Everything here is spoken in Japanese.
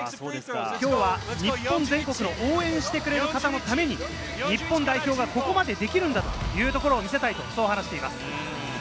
きょうは日本全国の応援してくれる方のために日本代表がここまでできるんだというところを見せたいと話しています。